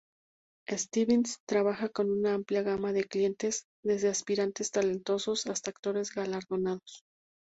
Stevens trabaja con una amplia gama de clientes, desde aspirantes talentosos hasta actores galardonados.